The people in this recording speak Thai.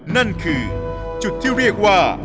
นั่นคือจุดที่เรียกว่า